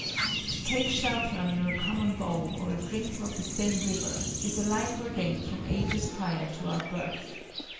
To take shelter under a common bough or a drink of the same river, is alike ordained from ages prior to our birth.